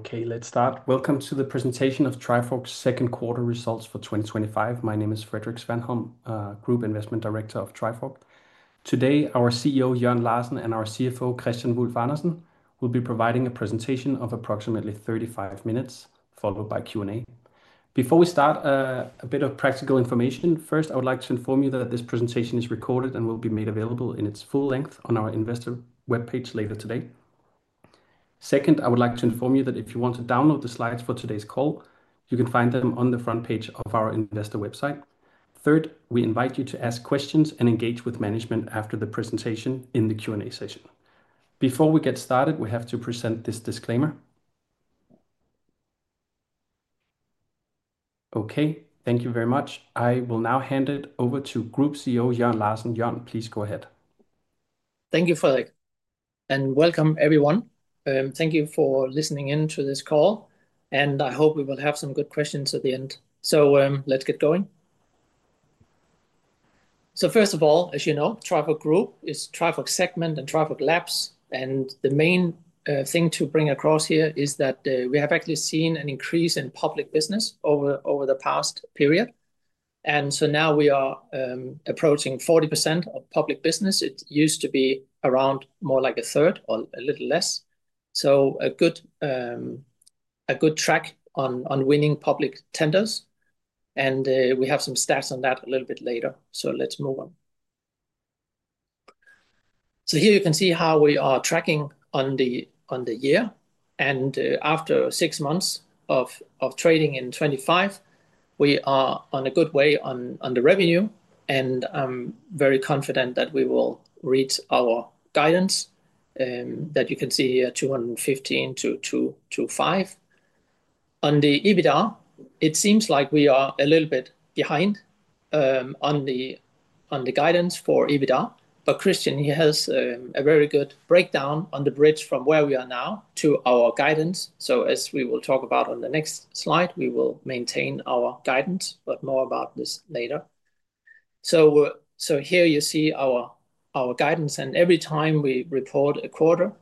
Okay, let's start. Welcome to the presentation of Trifork's second quarter results for 2025. My name is Frederik Svanholm, Group Investment Director of Trifork. Today, our CEO, Jørn Larsen, and our CFO, Kristian Wulf-Andersen, will be providing a presentation of approximately 35 minutes, followed by Q&A. Before we start, a bit of practical information. First, I would like to inform you that this presentation is recorded and will be made available in its full length on our investor webpage later today. Second, I would like to inform you that if you want to download the slides for today's call, you can find them on the front page of our investor website. Third, we invite you to ask questions and engage with management after the presentation in the Q&A session. Before we get started, we have to present this disclaimer. Okay, thank you very much. I will now hand it over to Group CEO, Jørn Larsen. Jørn, please go ahead. Thank you, Frederik. Welcome, everyone. Thank you for listening in to this call. I hope we will have some good questions at the end. Let's get going. First of all, as you know, Trifork Group is Trifork Segment and Trifork Labs. The main thing to bring across here is that we have actually seen an increase in public business over the past period. Now we are approaching 40% of public business. It used to be around more like a third or a little less. A good track on winning public tenders. We have some stats on that a little bit later. Let's move on. Here you can see how we are tracking on the year. After six months of trading in 2025, we are on a good way on the revenue. I'm very confident that we will reach our guidance that you can see here: $215 million-$205 million. On the EBITDA, it seems like we are a little bit behind on the guidance for EBITDA. Kristian has a very good breakdown on the bridge from where we are now to our guidance. As we will talk about on the next slide, we will maintain our guidance, but more about this later. Here you see our guidance. Every time we record a quarter,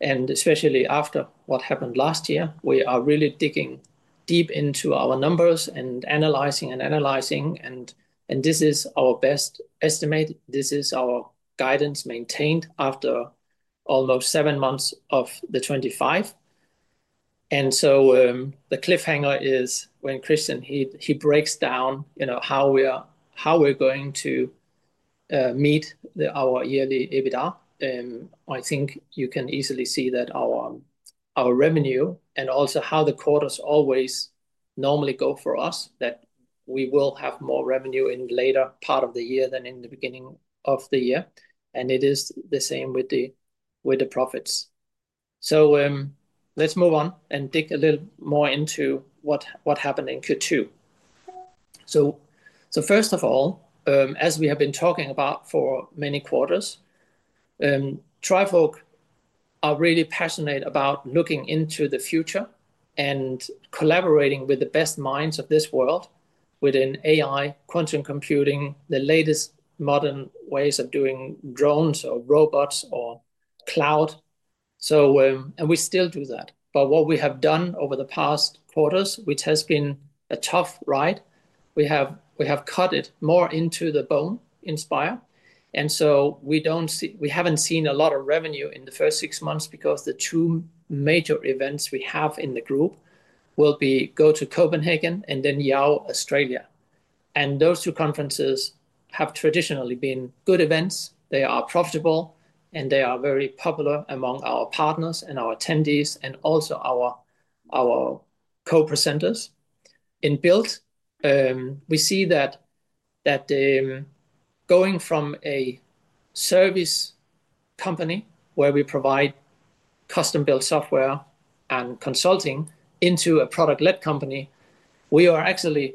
especially after what happened last year, we are really digging deep into our numbers and analyzing and analyzing. This is our best estimate. This is our guidance maintained after almost seven months of 2025. The cliffhanger is when Kristian breaks down how we're going to meet our yearly EBITDA. I think you can easily see that our revenue and also how the quarters always normally go for us, that we will have more revenue in the later part of the year than in the beginning of the year. It is the same with the profits. Let's move on and dig a little more into what happened in Q2. First of all, as we have been talking about for many quarters, Trifork is really passionate about looking into the future and collaborating with the best minds of this world within AI, quantum computing, the latest modern ways of doing drones or robots or cloud. We still do that. What we have done over the past quarters, which has been a tough ride, we have cut it more into the bone in Spire. We haven't seen a lot of revenue in the first six months because the two major events we have in the group will be GOTO Copenhagen and then YAO Australia. Those two conferences have traditionally been good events. They are profitable and they are very popular among our partners and our attendees and also our co-presenters. In Build, we see that going from a service company where we provide custom-built software and consulting into a product-led company, we are actually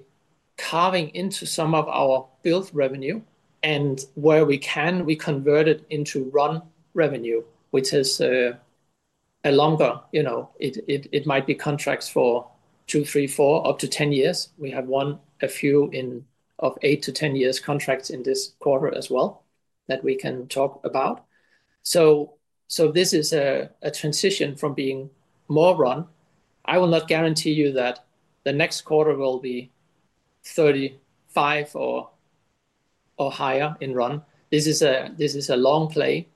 carving into some of our Build revenue. Where we can, we convert it into Run revenue, which is a longer, you know, it might be contracts for two, three, four, up to 10 years. We have won a few of 8 years-10 years contracts in this quarter as well that we can talk about. This is a transition from being more Run. I will not guarantee you that the next quarter will be 35% or higher in Run. This is a long play.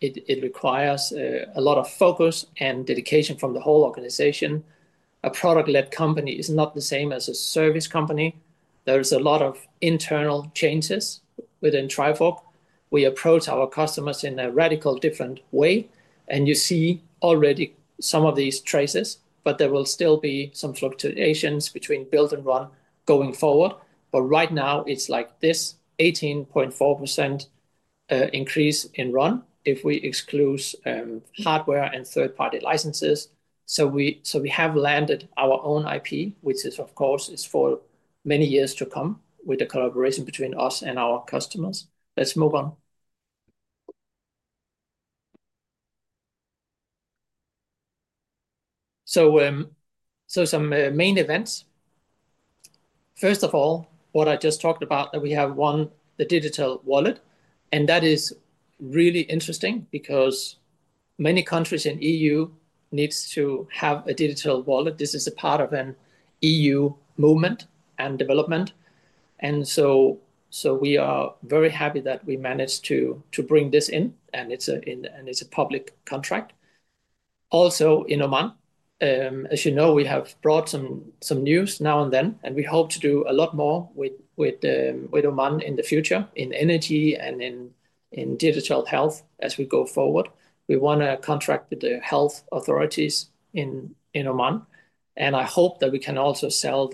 It requires a lot of focus and dedication from the whole organization. A product-led company is not the same as a service company. There are a lot of internal changes within Trifork. We approach our customers in a radically different way. You see already some of these traces, but there will still be some fluctuations between Build and Run going forward. Right now, it's like this: 18.4% increase in Run if we exclude hardware and third-party licenses. We have landed our own IP, which is, of course, for many years to come with the collaboration between us and our customers. Let's move on. Some main events. First of all, what I just talked about, that we have won the digital wallet. That is really interesting because many countries in the EU need to have a digital wallet. This is a part of an EU movement and development. We are very happy that we managed to bring this in. It's a public contract. Also, in Oman, as you know, we have brought some news now and then. We hope to do a lot more with Oman in the future in energy and in digital health as we go forward. We want to contract with the health authorities in Oman. I hope that we can also sell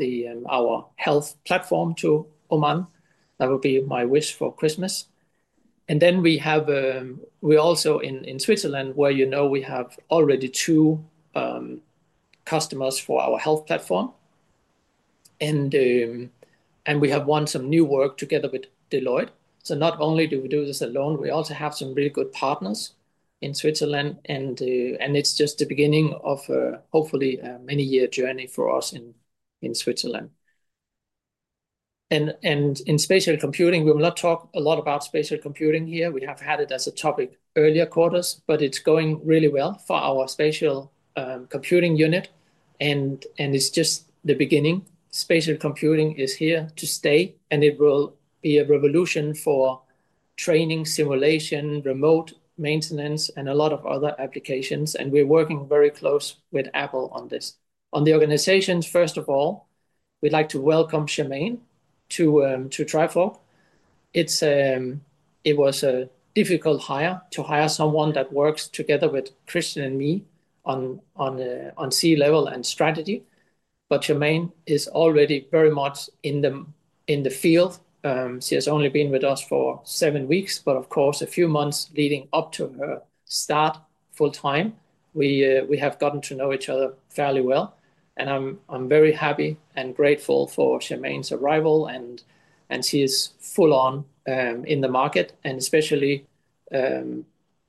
our health platform to Oman. That would be my wish for Christmas. We have also in Switzerland, where you know we have already two customers for our health platform. We have won some new work together with Deloitte. Not only do we do this alone, we also have some really good partners in Switzerland. It's just the beginning of a hopefully many-year journey for us in Switzerland. In spatial computing, we will not talk a lot about spatial computing here. We have had it as a topic earlier quarters, but it's going really well for our spatial computing unit. It's just the beginning. Spatial computing is here to stay. It will be a revolution for training, simulation, remote maintenance, and a lot of other applications. We're working very close with Apple on this. On the organizations, first of all, we'd like to welcome Charmaine to Trifork. It was a difficult hire to hire someone that works together with Kristian and me on C-level and strategy. Charmaine is already very much in the field. She has only been with us for seven weeks, but of course, a few months leading up to her start full-time. We have gotten to know each other fairly well. I'm very happy and grateful for Charmaine's arrival. She is full on in the market and especially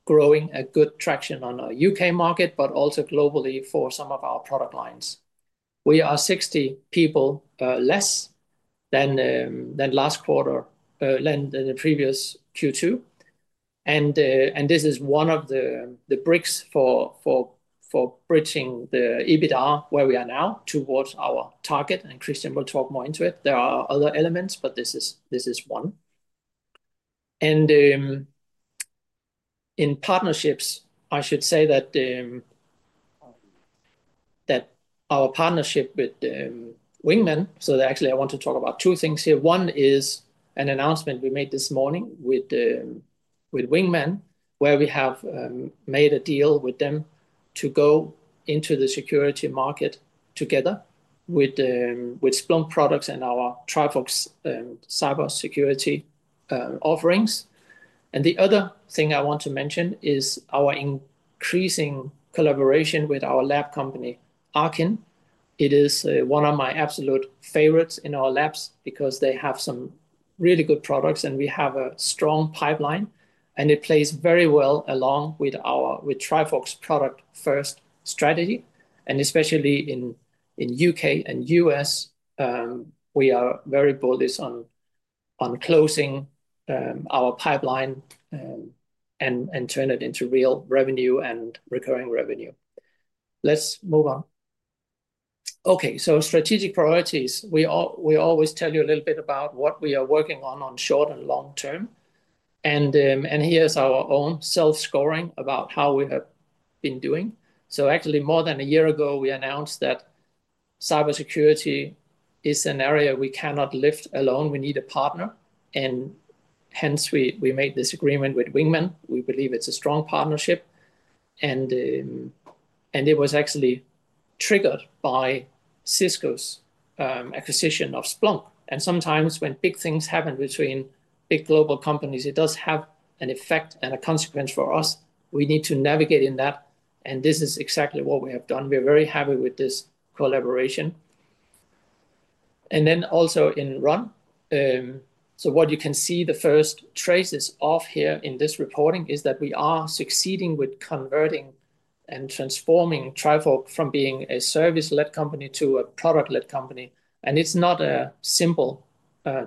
growing a good traction on our U.K. market, but also globally for some of our product lines. We are 60 people less than the previous Q2. This is one of the bricks for bridging the EBITDA where we are now towards our target. Kristian will talk more into it. There are other elements, this is one. In partnerships, I should say that our partnership with Wingmen... Actually, I want to talk about two things here. One is an announcement we made this morning with Wingmen, where we have made a deal with them to go into the security market together with Splunk products and our Trifork's cybersecurity offerings. The other thing I want to mention is our increasing collaboration with our lab company, Arkyn. It is one of my absolute favorites in our labs because they have some really good products. We have a strong pipeline. It plays very well along with Trifork's product-first strategy. Especially in the U.K. and the U.S., we are very bullish on closing our pipeline and turning it into real revenue and recurring revenue. Let's move on. Okay, strategic priorities. We always tell you a little bit about what we are working on, on short and long term. Here's our own self-scoring about how we have been doing. More than a year ago, we announced that cybersecurity is an area we cannot lift alone. We need a partner. Hence, we made this agreement with Wingmen. We believe it's a strong partnership. It was actually triggered by Cisco's acquisition of Splunk. Sometimes when big things happen between big global companies, it does have an effect and a consequence for us. We need to navigate in that. This is exactly what we have done. We're very happy with this collaboration. Also in Run. What you can see, the first traces of here in this reporting is that we are succeeding with converting and transforming Trifork from being a service-led company to a product-led company. It's not a simple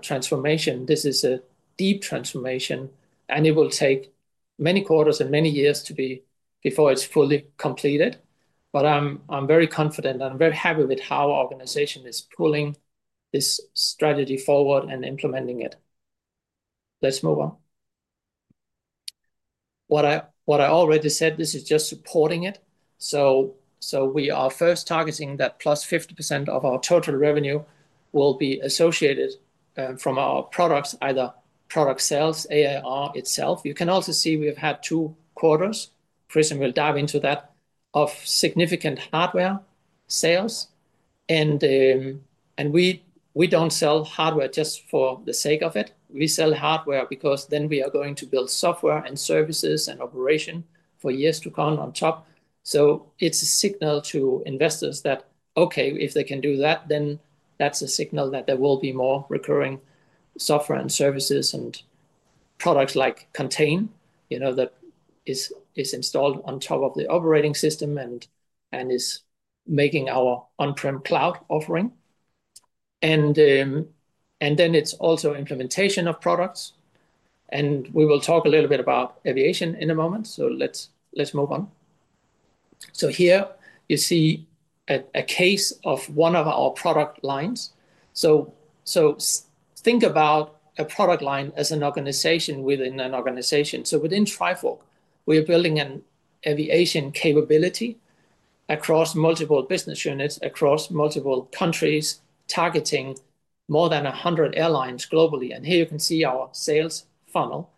transformation. This is a deep transformation, and it will take many quarters and many years before it's fully completed. I'm very confident and I'm very happy with how our organization is pulling this strategy forward and implementing it. Let's move on. What I already said, this is just supporting it. We are first targeting that +50% of our total revenue will be associated from our products, either product sales, AI itself. You can also see we've had two quarters, Kristian will dive into that, of significant hardware sales. We don't sell hardware just for the sake of it. We sell hardware because then we are going to build software and services and operation for years to come on top. It's a signal to investors that, okay, if they can do that, then that's a signal that there will be more recurring software and services and products like Contain that is installed on top of the operating system and is making our on-prem cloud offering. It's also implementation of products. We will talk a little bit about aviation in a moment. Let's move on. Here you see a case of one of our product lines. Think about a product line as an organization within an organization. Within Trifork, we are building an aviation capability across multiple business units, across multiple countries, targeting more than 100 airlines globally. Here you can see our sales funnel.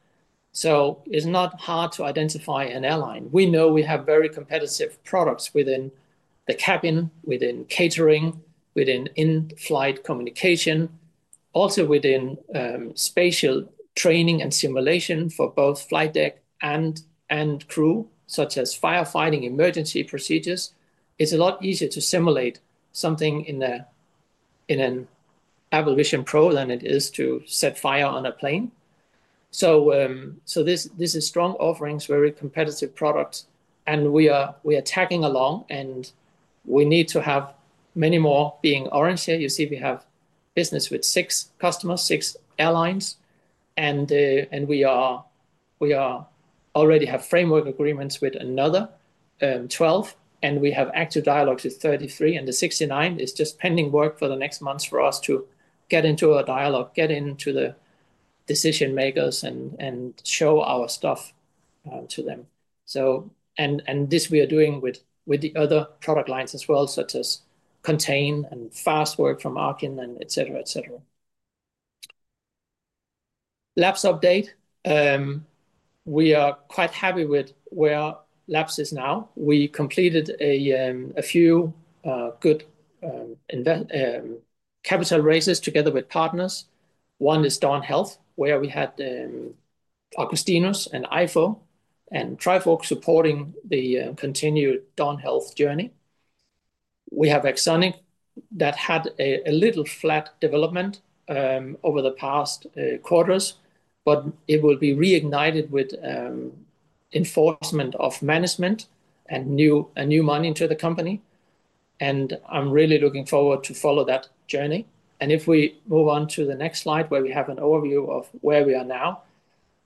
It's not hard to identify an airline. We know we have very competitive products within the cabin, within catering, within in-flight communication, also within spatial training and simulation for both flight deck and crew, such as firefighting emergency procedures. It's a lot easier to simulate something in an Apple Vision Pro than it is to set fire on a plane. This is strong offerings, very competitive products. We are tagging along. We need to have many more being orange here. You see, we have business with six customers, six airlines. We already have framework agreements with another 12. We have active dialogue with 33. The 69 is just pending work for the next months for us to get into a dialogue, get into the decision makers, and show our stuff to them. We are doing this with the other product lines as well, such as Contain and FastWork from Arkyn, etc. Labs update. We are quite happy with where Labs is now. We completed a few good capital raises together with partners. One is Dawn Health, where we had Augustinus and EIFO and Trifork supporting the continued Dawn Health journey. We have AxonIQ that had a little flat development over the past quarters, but it will be reignited with enforcement of management and new money to the company. I'm really looking forward to follow that journey. If we move on to the next slide, we have an overview of where we are now.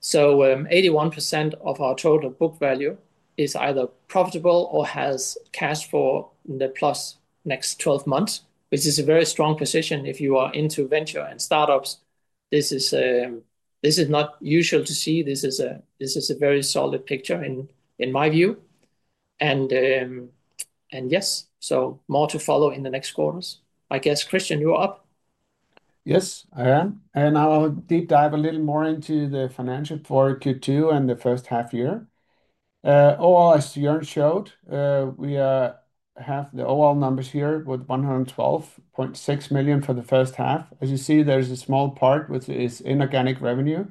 81% of our total book value is either profitable or has cash flow in the plus next 12 months, which is a very strong position if you are into venture and startups. This is not usual to see. This is a very solid picture in my view. More to follow in the next quarters. I guess, Kristian, you're up. Yes, I am. I'll deep dive a little more into the financials for Q2 and the first half year. Overall, as Jørn showed, we have the overall numbers here with $112.6 million for the first half. As you see, there's a small part which is inorganic revenue.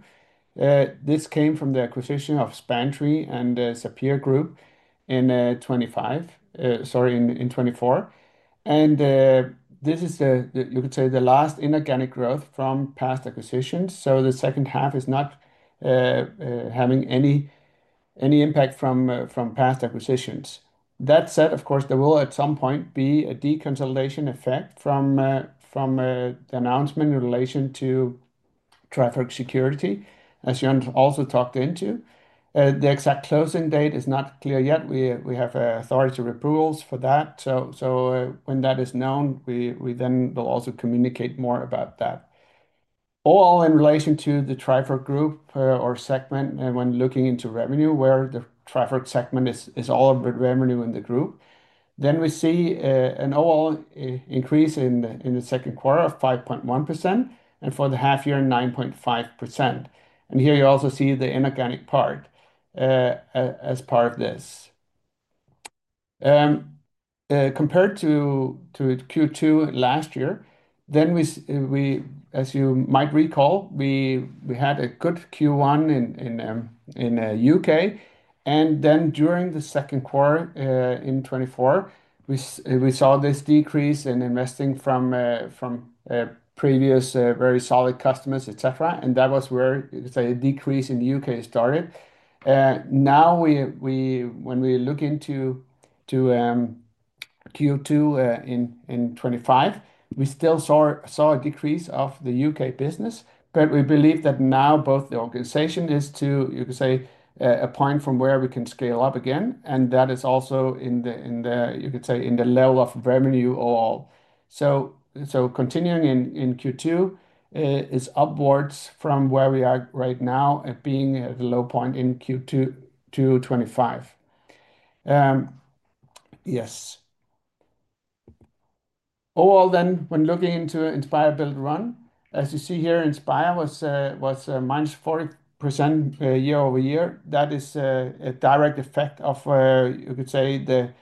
This came from the acquisition of Spantree and Sapir Group in 2024. This is the, you could say, the last inorganic growth from past acquisitions. The second half is not having any impact from past acquisitions. That said, of course, there will at some point be a deconsolidation effect from the announcement in relation to Trifork Security, as Jørn also talked into. The exact closing date is not clear yet. We have authority approvals for that. When that is known, we then will also communicate more about that. Overall, in relation to the Trifork Group or segment, when looking into revenue, where the Trifork segment is all of the revenue in the group, we see an overall increase in the second quarter of 5.1% and for the half year 9.5%. Here you also see the inorganic part as part of this. Compared to Q2 last year, as you might recall, we had a good Q1 in the U.K. During the second quarter in 2024, we saw this decrease in investing from previous very solid customers, etc. That was where the decrease in the U.K. started. Now, when we look into Q2 in 2025, we still saw a decrease of the U.K. business. We believe that now both the organization is to, you could say, a point from where we can scale up again. That is also in the, you could say, in the low of revenue overall. Continuing in Q2 is upwards from where we are right now, being at a low point in Q2 2025. Yes. Overall, then, when looking into Inspire, Build, Run, as you see here, Inspire was -40% year-over-year. That is a direct effect of, you could say, the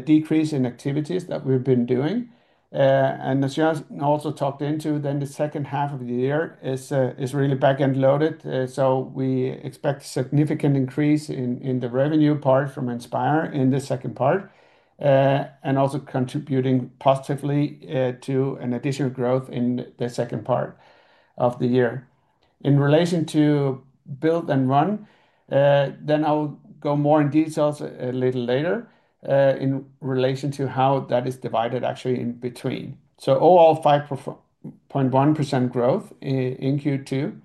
decrease in activities that we've been doing. As Jørn also talked into, the second half of the year is really back-end loaded. We expect a significant increase in the revenue part from Inspire in the second part and also contributing positively to an additional growth in the second part of the year. In relation to Build and Run, I'll go more in detail a little later in relation to how that is divided, actually, in between. Overall, 5.1% growth in Q2,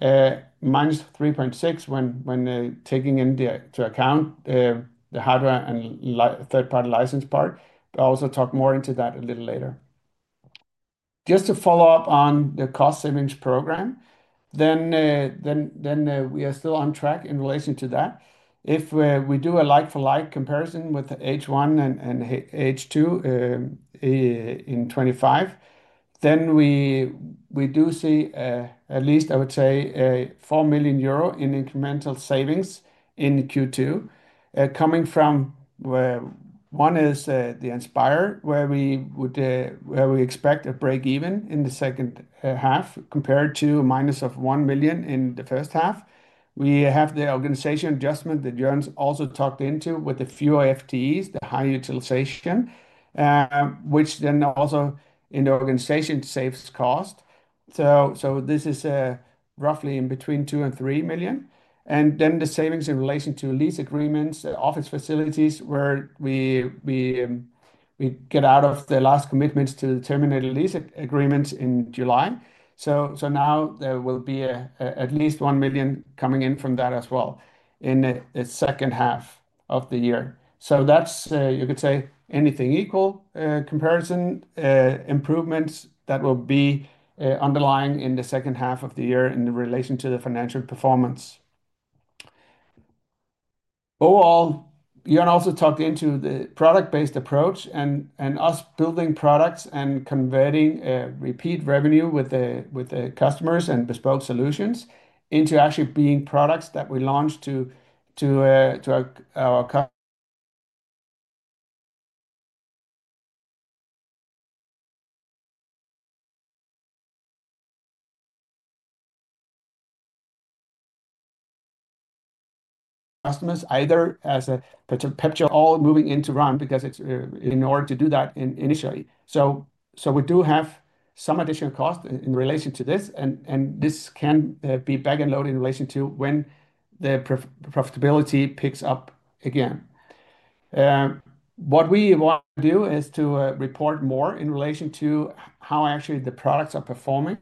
-3.6% when taking into account the hardware and third-party license part. I'll also talk more into that a little later. Just to follow up on the cost savings program, we are still on track in relation to that. If we do a like-for-like comparison with H1 and H2 in 2025, we do see, at least I would say, 4 million euro in incremental savings in Q2, coming from where one is the Inspire, where we expect a break even in the second half compared to a minus of 1 million in the first half. We have the organization adjustment that Jørn also talked into with the fewer FTEs, the higher utilization, which then also in the organization saves cost. This is roughly in between 2 and 3 million. The savings in relation to lease agreements, office facilities, where we get out of the last commitments to terminate lease agreements in July. Now there will be at least 1 million coming in from that as well in the second half of the year. That's, you could say, anything equal comparison improvements that will be underlying in the second half of the year in relation to the financial performance. Overall, Jørn also talked into the product-based approach and us building products and converting repeat revenue with the customers and bespoke solutions into actually being products that we launch to our customers, either as a perpetual. All moving into Run because it's in order to do that initially. We do have some additional cost in relation to this. This can be back-end loaded in relation to when the profitability picks up again. What we want to do is to report more in relation to how actually the products are performing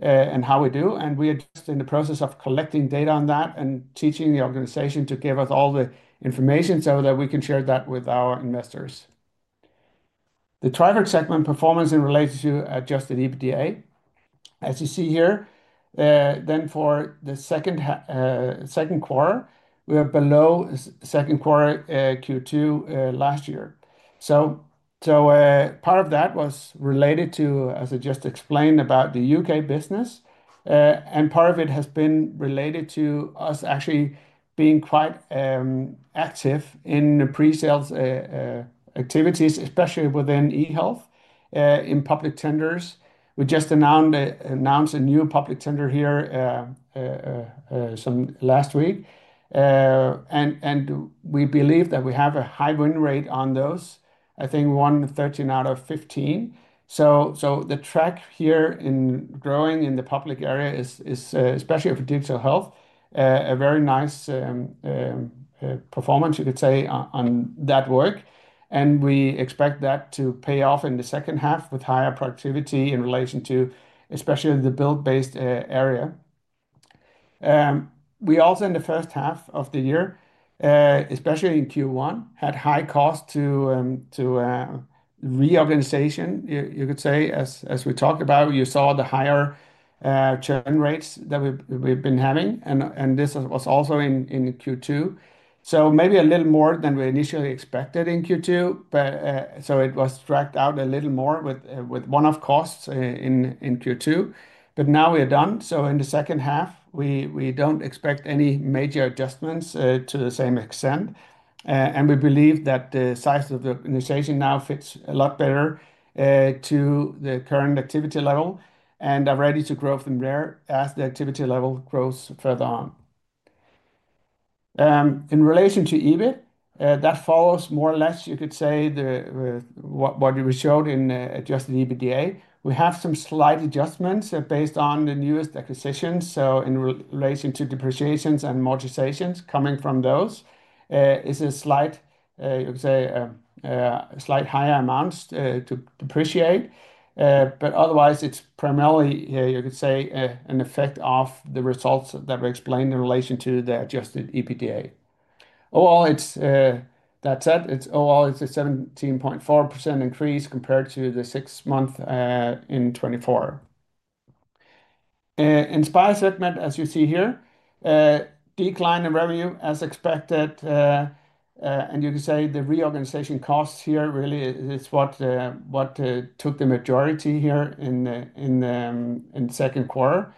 and how we do. We are just in the process of collecting data on that and teaching the organization to give us all the information so that we can share that with our investors. The Trifork segment performance in relation to adjusted EBITDA, as you see here, then for the second quarter, we are below the second quarter Q2 last year. Part of that was related to, as I just explained, about the UK business. Part of it has been related to us actually being quite active in the pre-sales activities, especially within eHealth in public tenders. We just announced a new public tender here last week. We believe that we have a high win rate on those, I think one 13 out of 15. The track here in growing in the public area is especially for digital health, a very nice performance, you could say, on that work. We expect that to pay off in the second half with higher productivity in relation to especially the Build-based area. We also, in the first half of the year, especially in Q1, had high cost to reorganization, you could say, as we talked about. You saw the higher churn rates that we've been having. This was also in Q2. Maybe a little more than we initially expected in Q2. It was dragged out a little more with one-off costs in Q2. Now we are done. In the second half, we don't expect any major adjustments to the same extent. We believe that the size of the organization now fits a lot better to the current activity level and are ready to grow from there as the activity level grows further on. In relation to EBIT, that follows more or less, you could say, what we showed in adjusted EBITDA. We have some slight adjustments based on the newest acquisitions. In relation to depreciations and mortgages, coming from those, it's a slight, you could say, slight higher amount to depreciate. Otherwise, it's primarily, you could say, an effect of the results that we explained in relation to the adjusted EBITDA. Overall, that said, overall, it's a 17.4% increase compared to the six months in 2024. Inspire segment, as you see here, decline in revenue as expected. You can say the reorganization costs here really is what took the majority here in the second quarter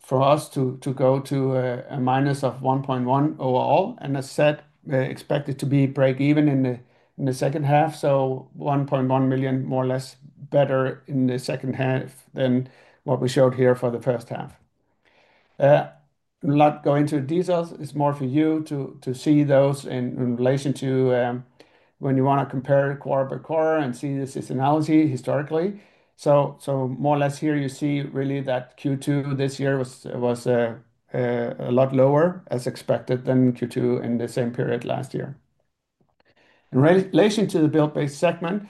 for us to go to a -1.1% overall. As said, we expect it to be break even in the second half. 1.1 million more or less better in the second half than what we showed here for the first half. I'm not going into details. It's more for you to see those in relation to when you want to compare quarter by quarter and see this as analogy historically. More or less here you see really that Q2 this year was a lot lower, as expected, than Q2 in the same period last year. In relation to the Build-based segment,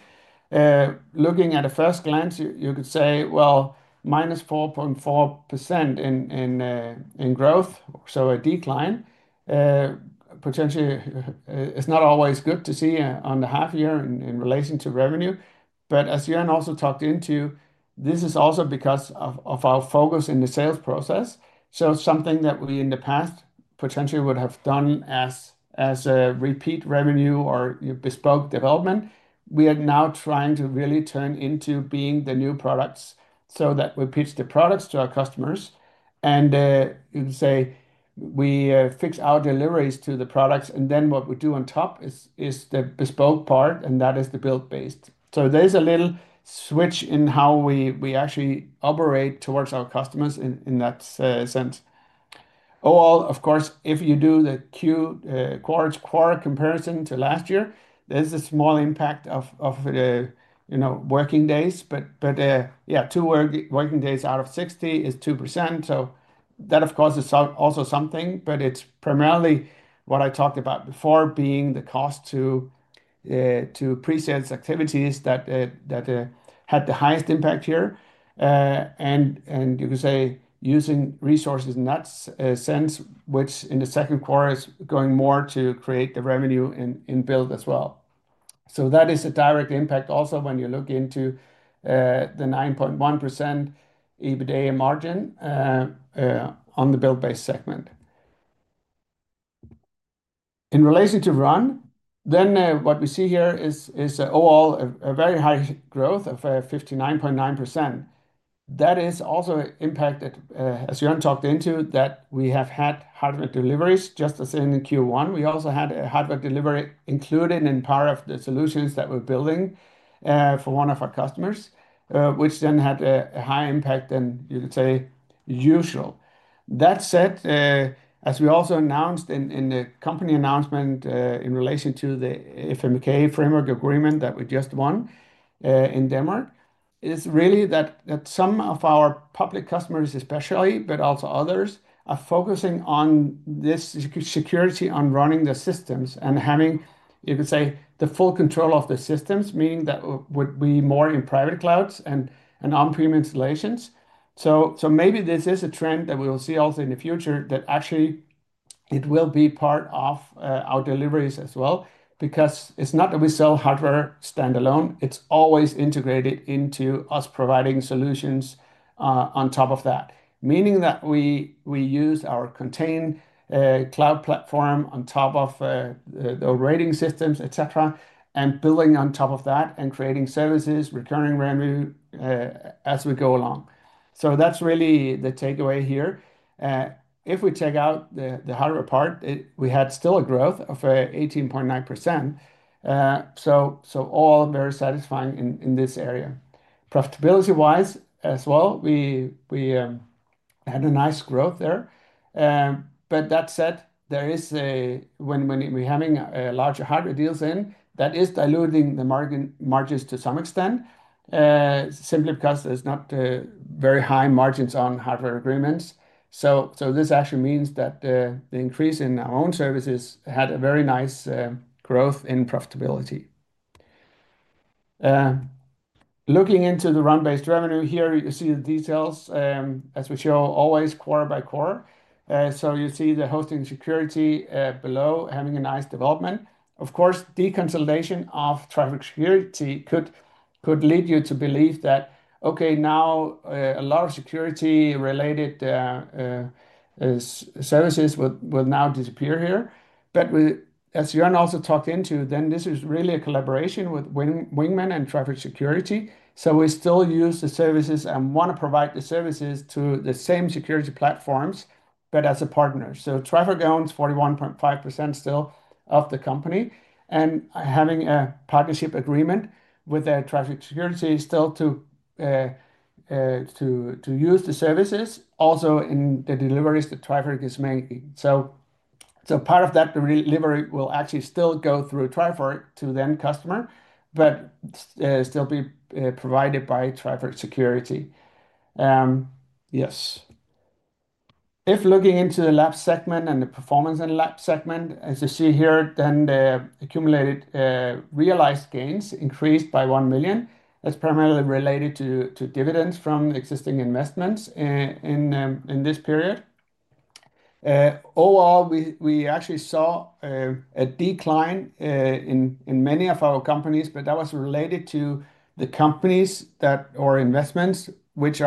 looking at a first glance, you could say, -4.4% in growth. A decline potentially is not always good to see on the half year in relation to revenue. As Jørn also talked into, this is also because of our focus in the sales process. Something that we in the past potentially would have done as a repeat revenue or bespoke development, we are now trying to really turn into being the new products so that we pitch the products to our customers. You can say we fix our deliveries to the products, and then what we do on top is the bespoke part, and that is the Build-based. There is a little switch in how we actually operate towards our customers in that sense. Overall, of course, if you do the quarter-to-quarter comparison to last year, there's a small impact of the working days. Two working days out of 60 is 2%. That, of course, is also something. It's primarily what I talked about before, being the cost to pre-sales activities that had the highest impact here. You could say using resources in that sense, which in the second quarter is going more to create the revenue in Build as well. That is a direct impact also when you look into the 9.1% EBITDA margin on the Build-based segment. In relation to Run, what we see here is overall a very high growth of 59.9%. That is also impacted, as Jørn talked into, that we have had hardware deliveries just as in Q1. We also had a hardware delivery included in part of the solutions that we're building for one of our customers, which then had a higher impact than, you could say, usual. That said, as we also announced in the company announcement in relation to the FMK framework agreement that we just won in Denmark, it's really that some of our public customers especially, but also others, are focusing on this security on running the systems and having, you could say, the full control of the systems, meaning that would be more in private clouds and on-prem installations. Maybe this is a trend that we will see also in the future, that actually it will be part of our deliveries as well because it's not that we sell hardware standalone. It's always integrated into us providing solutions on top of that, meaning that we use our Contain cloud platform on top of the operating systems, etc., and building on top of that and creating services, recurring revenue as we go along. That's really the takeaway here. If we take out the hardware part, we had still a growth of 18.9%. Overall, very satisfying in this area. Profitability-wise as well, we had a nice growth there. That said, there is a, when we're having larger hardware deals in, that is diluting the margins to some extent, simply because there's not very high margins on hardware agreements. This actually means that the increase in our own services had a very nice growth in profitability. Looking into the Run-based revenue here, you see the details, as we show always, quarter by quarter. You see the hosting security below having a nice development. Of course, deconsolidation of Trifork Security could lead you to believe that, okay, now a lot of security-related services will now disappear here. As Jørn also talked into, this is really a collaboration with Wingmen and Trifork Security. We still use the services and want to provide the services to the same security platforms, but as a partner. Trifork owns 41.5% still of the company and having a partnership agreement with Trifork Security still to use the services also in the deliveries that Trifork is making. Part of that delivery will actually still go through Trifork to the end customer, but still be provided by Trifork Security. Yes. If looking into the Lab segment and the performance in the Lab segment, as you see here, then the accumulated realized gains increased by $1 million. That's primarily related to dividends from existing investments in this period. Overall, we actually saw a decline in many of our companies, but that was related to the companies or investments which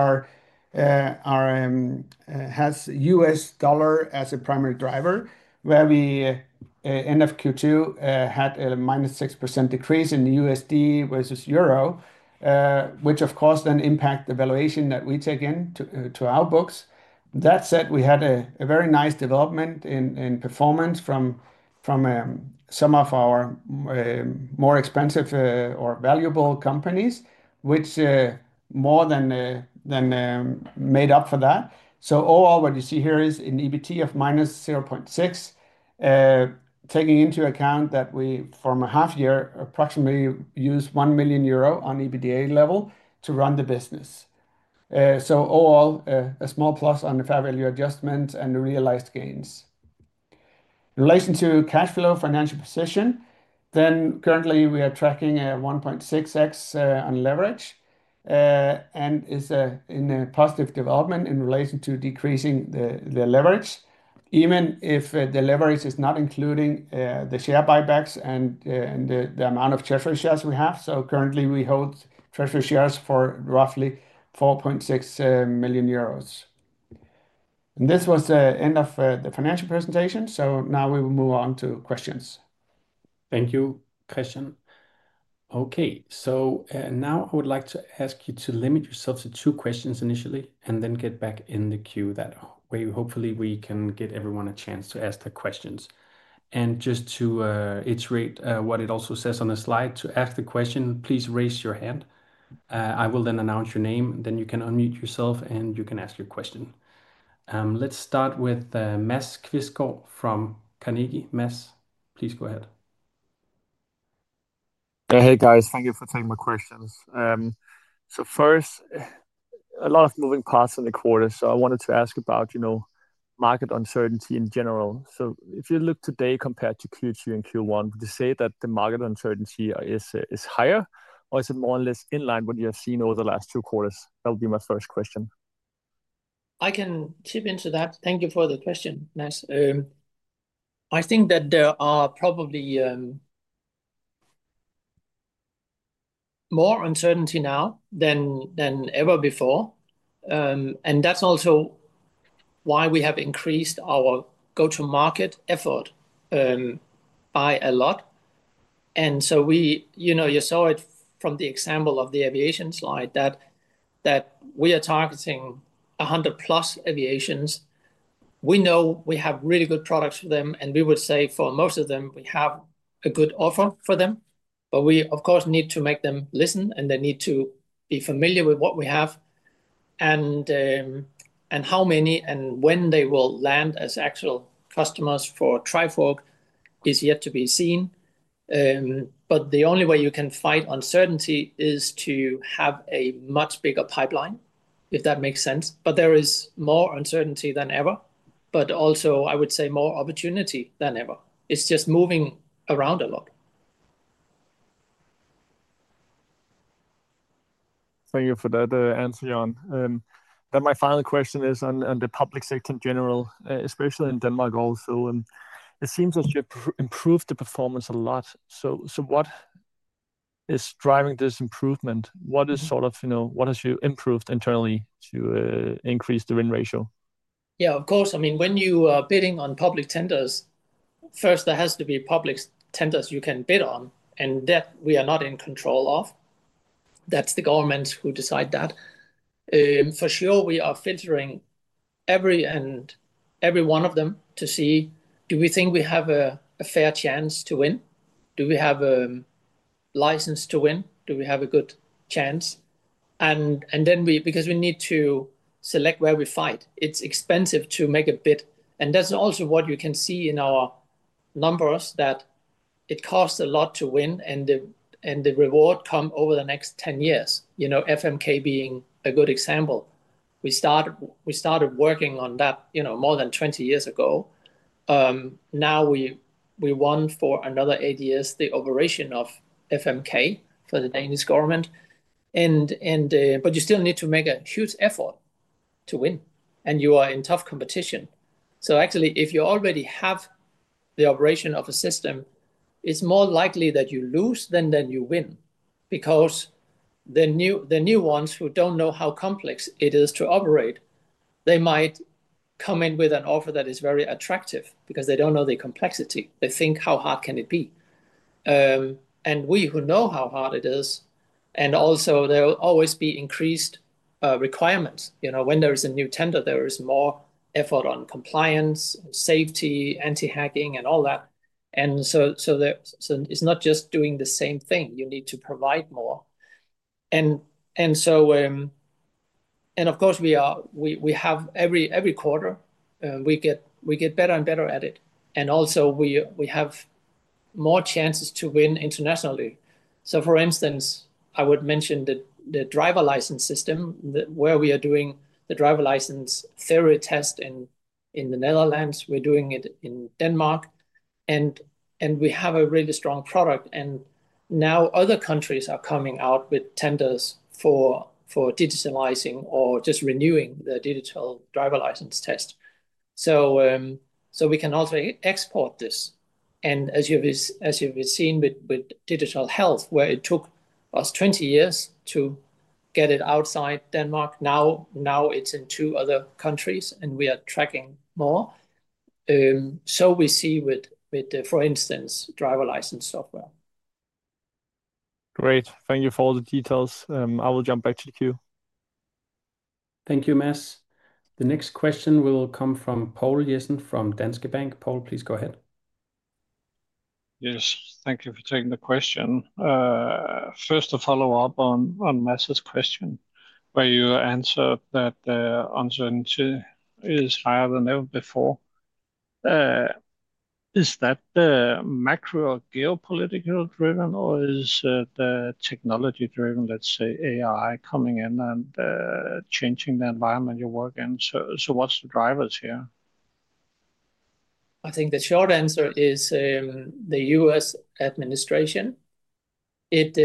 have U.S. dollar as a primary driver, where we end of Q2 had a -6% decrease in USD versus Euro, which of course then impacts the valuation that we take into our books. That said, we had a very nice development in performance from some of our more expensive or valuable companies, which more than made up for that. Overall, what you see here is an EBITDA of -$0.6 million, taking into account that we from a half year approximately used $1 million on EBITDA level to run the business. Overall, a small plus on the fair value adjustment and the realized gains. In relation to cash flow, financial position, then currently we are tracking a 1.6x on leverage and is in a positive development in relation to decreasing the leverage, even if the leverage is not including the share buybacks and the amount of Trifork shares we have. Currently, we hold Trifork shares for roughly 4.6 million euros. This was the end of the financial presentation. Now we will move on to questions. Thank you, Kristian. Okay, now I would like to ask you to limit yourself to two questions initially and then get back in the queue. That way, hopefully, we can give everyone a chance to ask their questions. Just to reiterate what it also says on the slide, to ask a question, please raise your hand. I will then announce your name, then you can unmute yourself and ask your question. Let's start with the Mads Quistgaard from Carnegie. Please go ahead. Thank you for taking my questions. First, a lot of moving parts in the quarter. I wanted to ask about market uncertainty in general. If you look today compared to Q2 and Q1, would you say that the market uncertainty is higher or is it more or less in line with what you have seen over the last two quarters? That would be my first question. I can chip into that. Thank you for the question, Mads. I think that there are probably more uncertainty now than ever before. That's also why we have increased our go-to-market effort by a lot. You saw it from the example of the aviation slide that we are targeting 100+ aviations. We know we have really good products for them, and we would say for most of them, we have a good offer for them. We, of course, need to make them listen, and they need to be familiar with what we have and how many and when they will land as actual customers for Trifork is yet to be seen. The only way you can fight uncertainty is to have a much bigger pipeline, if that makes sense. There is more uncertainty than ever, but also, I would say, more opportunity than ever. It's just moving around a lot. Thank you for that answer, Jørn. My final question is on the public sector in general, especially in Denmark also. It seems that you've improved the performance a lot. What is driving this improvement? What have you improved internally to increase the win ratio? Yeah, of course. I mean, when you are bidding on public tenders, first, there have to be public tenders you can bid on, and that we are not in control of. That's the governments who decide that. For sure, we are filtering every and every one of them to see, do we think we have a fair chance to win? Do we have a license to win? Do we have a good chance? We need to select where we fight, it's expensive to make a bid. That's also what you can see in our numbers, that it costs a lot to win and the reward comes over the next 10 years. You know, FMK being a good example. We started working on that more than 20 years ago. Now we won for another eight years the operation of FMK for the Danish government. You still need to make a huge effort to win, and you are in tough competition. Actually, if you already have the operation of a system, it's more likely that you lose than that you win because the new ones who don't know how complex it is to operate, they might come in with an offer that is very attractive because they don't know the complexity. They think, how hard can it be? We who know how hard it is, and also there will always be increased requirements. You know, when there is a new tender, there is more effort on compliance, safety, anti-hacking, and all that. It's not just doing the same thing. You need to provide more. Of course, we have every quarter, we get better and better at it. Also, we have more chances to win internationally. For instance, I would mention the driver license system where we are doing the driver license theory test in the Netherlands. We're doing it in Denmark. We have a really strong product. Now other countries are coming out with tenders for digitalizing or just renewing the digital driver license test. We can also export this. As you've seen with digital health, where it took us 20 years to get it outside Denmark, now it's in two other countries and we are tracking more. We see with, for instance, driver license software. Great. Thank you for all the details. I will jump back to the queue. Thank you, Mads. The next question will come from Poul Jessen from Danske Bank. Poul, please go ahead. Yes, thank you for taking the question. First, to follow up on Mads' question, where you answered that the uncertainty is higher than ever before. Is that macro or geopolitical driven, or is the technology driven, let's say AI, coming in and changing the environment you work in? What's the drivers here? I think the short answer is the U.S. administration. It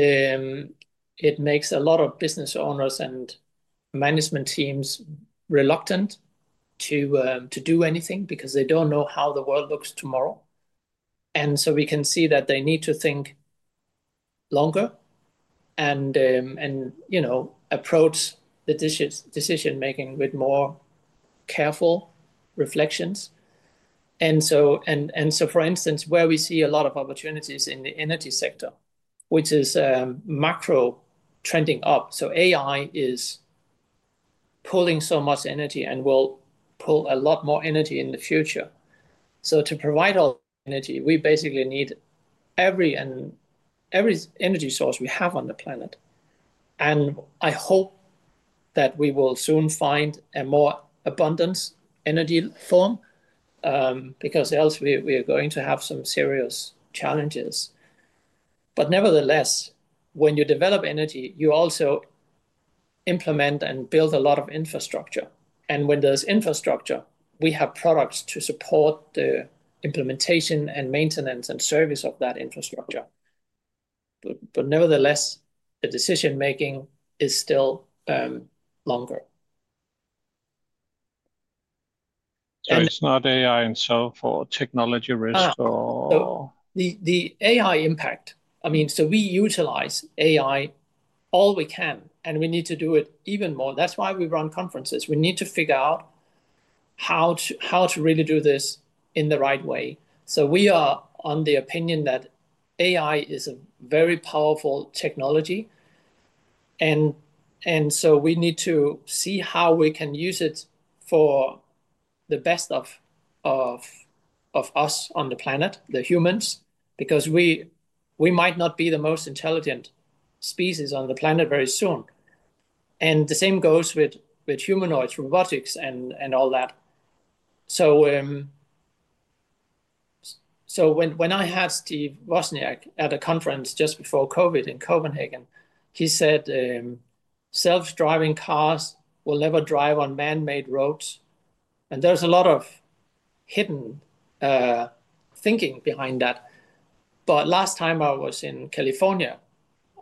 makes a lot of business owners and management teams reluctant to do anything because they don't know how the world looks tomorrow. We can see that they need to think longer and, you know, approach the decision making with more careful reflections. For instance, where we see a lot of opportunities is in the energy sector, which is macro trending up. AI is pulling so much energy and will pull a lot more energy in the future. To provide all energy, we basically need every energy source we have on the planet. I hope that we will soon find a more abundant energy form because else we are going to have some serious challenges. Nevertheless, when you develop energy, you also implement and build a lot of infrastructure. When there's infrastructure, we have products to support the implementation and maintenance and service of that infrastructure. Nevertheless, the decision making is still longer. It’s not AI itself or technology risk? The AI impact. I mean, we utilize AI all we can, and we need to do it even more. That's why we run conferences. We need to figure out how to really do this in the right way. We are of the opinion that AI is a very powerful technology. We need to see how we can use it for the best of us on the planet, the humans, because we might not be the most intelligent species on the planet very soon. The same goes with humanoids, robotics, and all that. When I had Steve Wozniak at a conference just before COVID in Copenhagen, he said self-driving cars will never drive on man-made roads. There's a lot of hidden thinking behind that. Last time I was in California,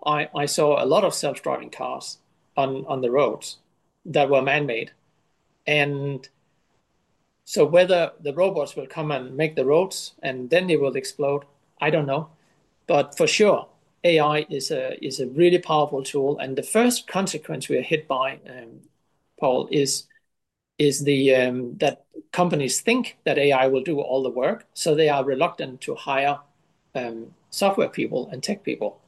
I saw a lot of self-driving cars on the roads that were man-made. Whether the robots will come and make the roads and then they will explode, I don't know. For sure, AI is a really powerful tool. The first consequence we are hit by, Paul, is that companies think that AI will do all the work. They are reluctant to hire software people and tech people.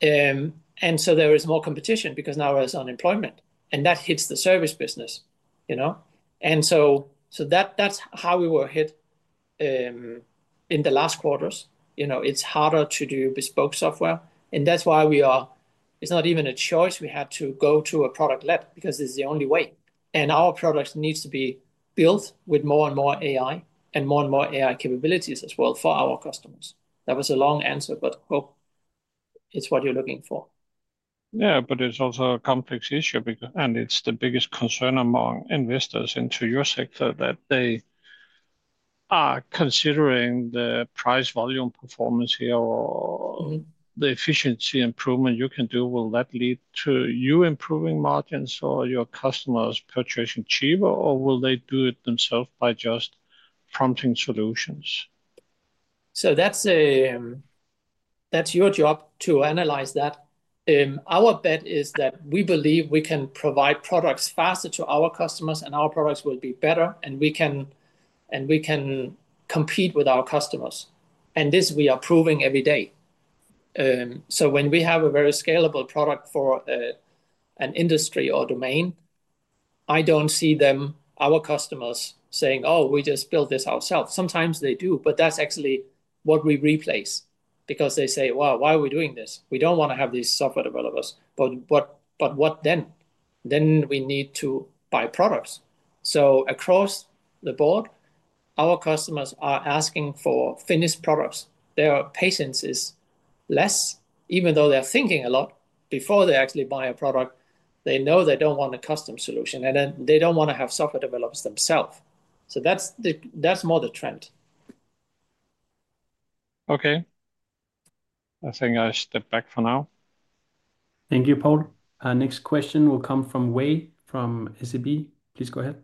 There is more competition because now there's unemployment. That hits the service business, you know. That's how we were hit in the last quarters. It's harder to do bespoke software. That's why we are, it's not even a choice. We had to go to a product-led because this is the only way. Our products need to be built with more and more AI and more and more AI capabilities as well for our customers. That was a long answer, but hope it's what you're looking for. Yeah, it's also a complex issue. It's the biggest concern among investors into your sector that they are considering the price volume performance here or the efficiency improvement you can do. Will that lead to you improving margins or your customers purchasing cheaper? Will they do it themselves by just prompting solutions? That's your job to analyze that. Our bet is that we believe we can provide products faster to our customers, and our products will be better, and we can compete with our customers. This we are proving every day. When we have a very scalable product for an industry or domain, I don't see our customers saying, oh, we just build this ourselves. Sometimes they do, but that's actually what we replace because they say, wow, why are we doing this? We don't want to have these software developers. What then? We need to buy products. Across the board, our customers are asking for finished products. Their patience is less, even though they're thinking a lot. Before they actually buy a product, they know they don't want a custom solution, and they don't want to have software developers themselves. That's more the trend. Okay, I think I'll step back for now. Thank you, Poul. Next question will come from Wei from SAB. Please go ahead.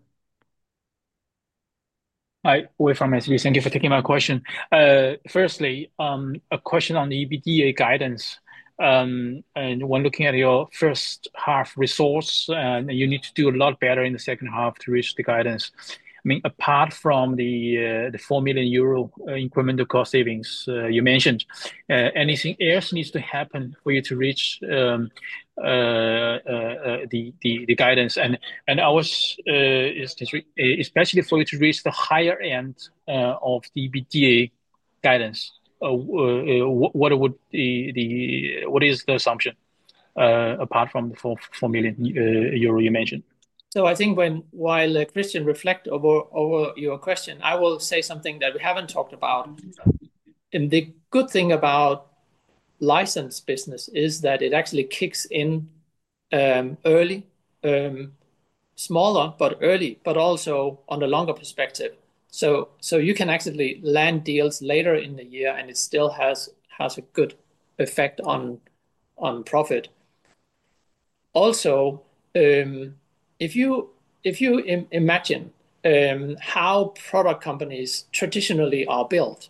Hi, Wei from SAB. Thank you for taking my question. Firstly, a question on the EBITDA guidance. When looking at your first half resource, you need to do a lot better in the second half to reach the guidance. Apart from the 4 million euro incremental cost savings you mentioned, anything else needs to happen for you to reach the guidance? Especially for you to reach the higher end of the EBITDA guidance, what is the assumption apart from the 4 million euro you mentioned? I think while Kristian reflects over your question, I will say something that we haven't talked about. The good thing about license business is that it actually kicks in early, smaller, but early, but also on the longer perspective. You can actually land deals later in the year and it still has a good effect on profit. If you imagine how product companies traditionally are built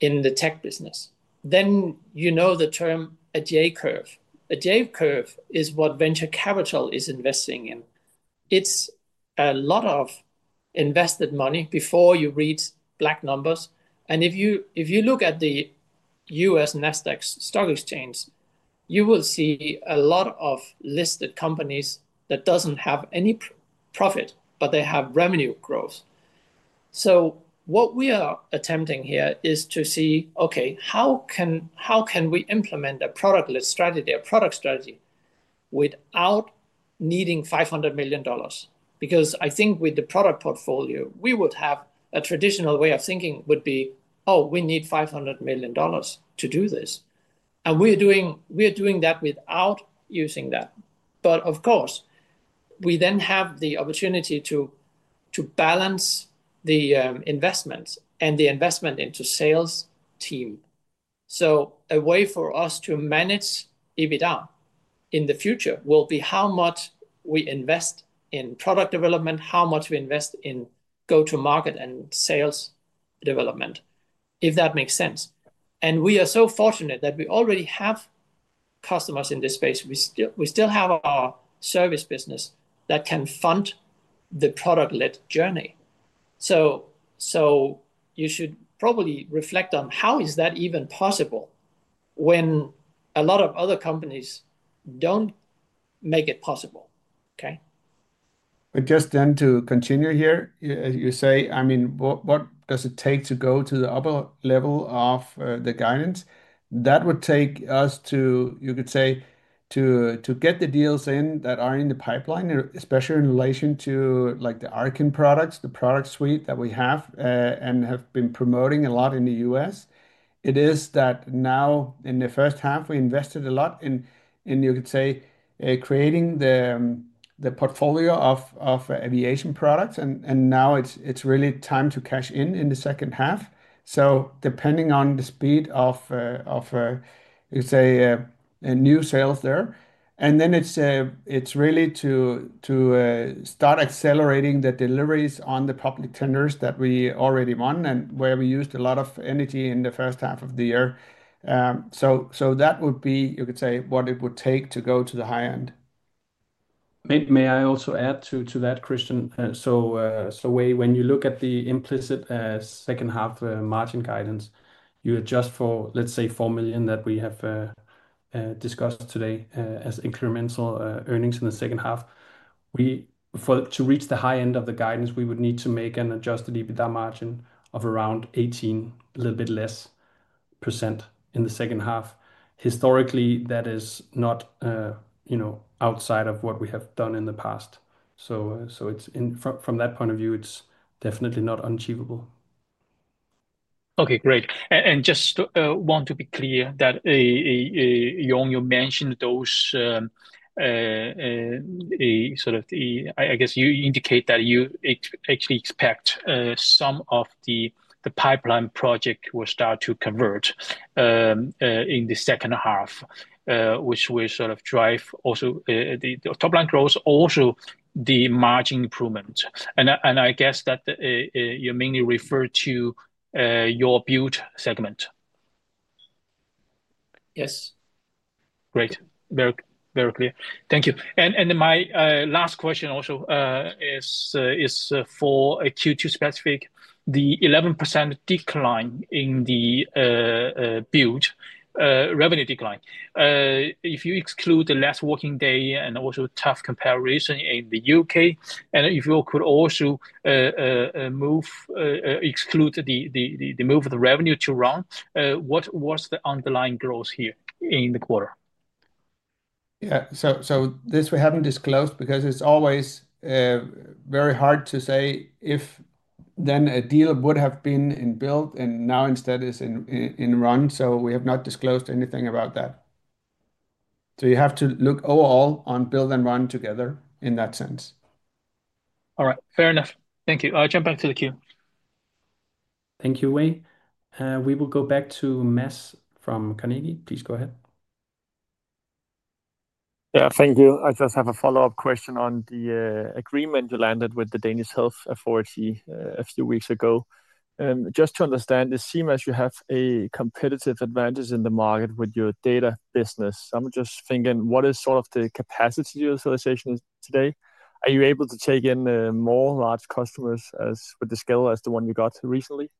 in the tech business, then you know the term a J-curve. A J-curve is what venture capital is investing in. It's a lot of invested money before you read black numbers. If you look at the U.S. Nasdaq stock exchange, you will see a lot of listed companies that don't have any profit, but they have revenue growth. What we are attempting here is to see, okay, how can we implement a product-led strategy, a product strategy without needing $500 million? I think with the product portfolio, a traditional way of thinking would be, oh, we need $500 million to do this. We're doing that without using that. Of course, we then have the opportunity to balance the investments and the investment into sales team. A way for us to manage EBITDA in the future will be how much we invest in product development, how much we invest in go-to-market and sales development, if that makes sense. We are so fortunate that we already have customers in this space. We still have our service business that can fund the product-led journey. You should probably reflect on how is that even possible when a lot of other companies don't make it possible. Just then to continue here, as you say, I mean, what does it take to go to the upper level of the guidance? That would take us to, you could say, to get the deals in that are in the pipeline, especially in relation to like the Arkyn products, the product suite that we have and have been promoting a lot in theU.S.. It is that now in the first half, we invested a lot in, you could say, creating the portfolio of aviation products. Now it's really time to cash in in the second half. Depending on the speed of, you could say, new sales there, it's really to start accelerating the deliveries on the public tenders that we already won and where we used a lot of energy in the first half of the year. That would be, you could say, what it would take to go to the high end. May I also add to that, Kristian? Wei, when you look at the implicit second half margin guidance, you adjust for, let's say, $4 million that we have discussed today as incremental earnings in the second half. To reach the high end of the guidance, we would need to make an adjusted EBITDA margin of around 18%, a little bit less, in the second half. Historically, that is not, you know, outside of what we have done in the past. From that point of view, it's definitely not unachievable. Okay, great. I just want to be clear that Jørn, you mentioned those sort of, I guess you indicate that you actually expect some of the pipeline project will start to convert in the second half, which will sort of drive also the top line growth, also the margin improvement. I guess that you mainly refer to your Build segment. Yes. Great. Very, very clear. Thank you. My last question also is for a Q2 specific, the 11% decline in the Build revenue decline. If you exclude the last working day and also tough comparison in the U.K., and if you could also exclude the move of the revenue to run, what was the underlying growth here in the quarter? We haven't disclosed this because it's always very hard to say if then a deal would have been in Build and now instead is in Run. We have not disclosed anything about that. You have to look overall on Build and Run together in that sense. All right, fair enough. Thank you. I'll jump back to the queue. Thank you, Wei. We will go back to Mads from Carnegie. Please go ahead. Thank you. I just have a follow-up question on the agreement you landed with the Danish Health Authority a few weeks ago. Just to understand, it seems you have a competitive advantage in the market with your data business. I'm just thinking, what is sort of the capacity utilization today? Are you able to take in more large customers with the scale as the one you got recently?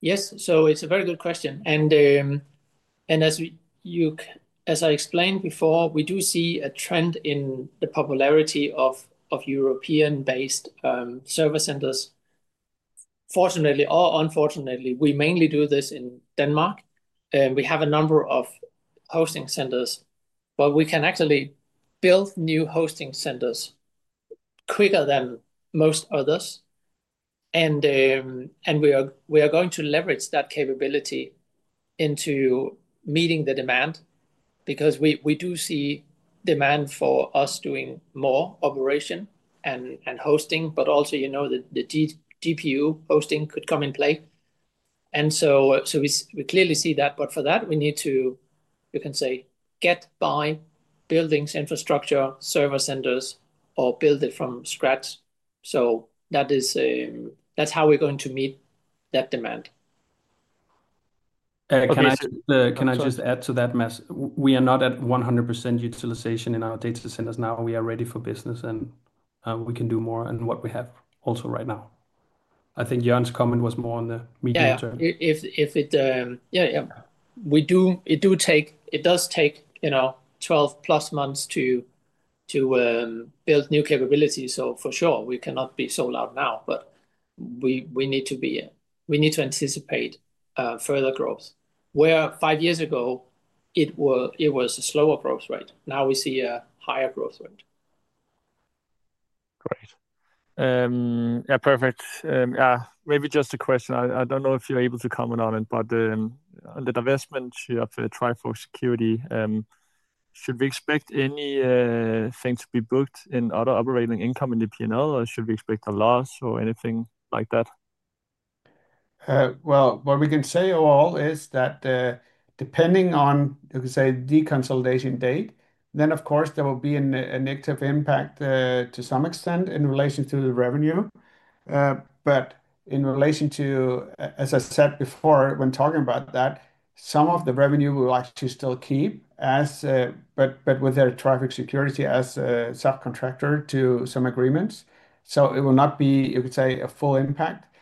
Yes, it's a very good question. As I explained before, we do see a trend in the popularity of European-based service centers. Fortunately or unfortunately, we mainly do this in Denmark. We have a number of hosting centers, but we can actually build new hosting centers quicker than most others. We are going to leverage that capability into meeting the demand because we do see demand for us doing more operation and hosting, but also, you know, the GPU hosting could come in play. We clearly see that, but for that we need to, you can say, get by building infrastructure, server centers, or build it from scratch. That is how we're going to meet that demand. Can I just add to that, Mads, we are not at 100% utilization in our data centers now. We are ready for business, and we can do more than what we have also right now. I think Jørn's comment was more on the medium term. Yeah, it does take, you know, 12+ months to build new capabilities. For sure, we cannot be sold out now, but we need to anticipate further growth. Where five years ago it was a slower growth rate, now we see a higher growth rate. Great. Yeah, perfect. Maybe just a question. I don't know if you're able to comment on it, but on the divestment share for the Trifork Security, should we expect anything to be booked in other operating income in the P&L, or should we expect a loss or anything like that? Depending on, you can say, the consolidation date, there will be an active impact to some extent in relation to the revenue. In relation to, as I said before, when talking about that, some of the revenue we will actually still keep, but with the Trifork Security as a subcontractor to some agreements. It will not be, you could say, a full impact.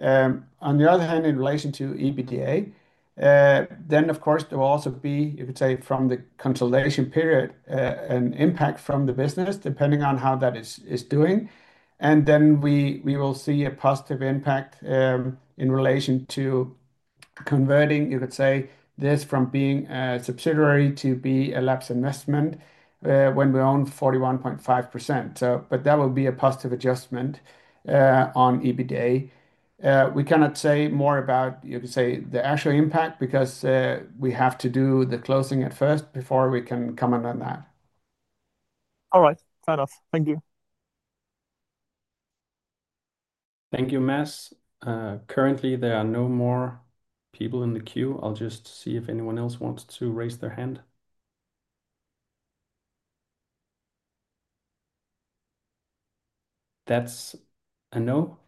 On the other hand, in relation to EBITDA, there will also be, you could say, from the consolidation period, an impact from the business depending on how that is doing. We will see a positive impact in relation to converting, you could say, this from being a subsidiary to be a labs investment when we own 41.5%. That will be a positive adjustment on EBITDA. We cannot say more about, you could say, the actual impact because we have to do the closing at first before we can comment on that. All right, fair enough. Thank you. Thank you, Mads. Currently, there are no more people in the queue. I'll just see if anyone else wants to raise their hand. That's a no.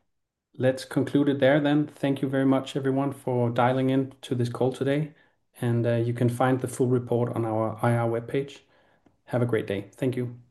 Let's conclude it there. Thank you very much, everyone, for dialing in to this call today. You can find the full report on our IR webpage. Have a great day. Thank you. Thank you.